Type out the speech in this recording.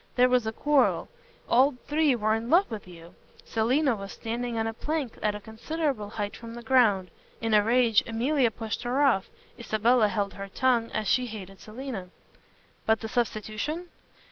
There was a quarrel. All three were in love with you. Selina was standing on a plank at a considerable height from the ground. In a rage Emilia pushed her off. Isabella held her tongue as she hated Selina." "But the substitution?"